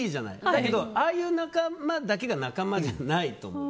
だけどああいう仲間だけが仲間じゃないと思う。